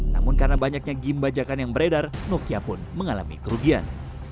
namun karena banyaknya game bajakan yang beredar nokia pun mengalami kerugian